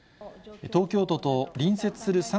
東京都と隣接する